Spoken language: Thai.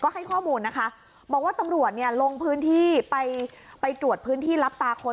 ให้ข้อมูลนะคะบอกว่าตำรวจเนี่ยลงพื้นที่ไปไปตรวจพื้นที่รับตาคน